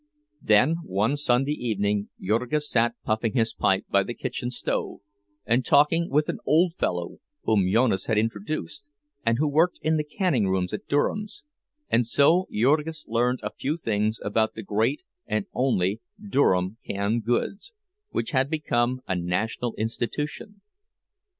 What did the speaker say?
Then one Sunday evening, Jurgis sat puffing his pipe by the kitchen stove, and talking with an old fellow whom Jonas had introduced, and who worked in the canning rooms at Durham's; and so Jurgis learned a few things about the great and only Durham canned goods, which had become a national institution.